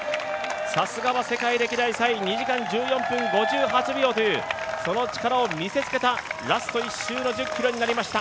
さすがは世界歴代３位、２時間１４分５８秒というその力を見せつけたラスト１周の１０ｋｍになりました。